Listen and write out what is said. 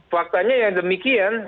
faktanya yang demikian